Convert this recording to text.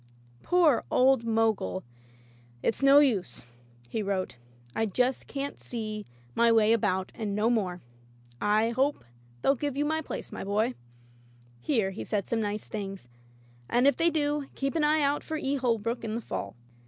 Poor old Mogul! "It's no use," he wrote, " I can just see my way about and no more. I hope they'll give you my place, my boy" — here he said some nice things — "and if they do, keep an eye out for E. Holbrook in the fall.